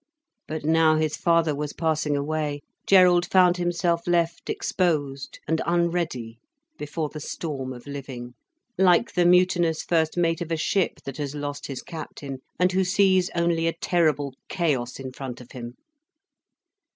But now his father was passing away, Gerald found himself left exposed and unready before the storm of living, like the mutinous first mate of a ship that has lost his captain, and who sees only a terrible chaos in front of him.